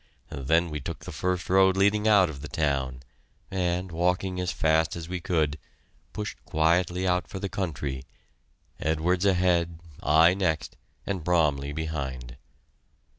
Then we took the first road leading out of the town, and, walking as fast as we could, pushed quietly out for the country, Edwards ahead, I next, and Bromley behind.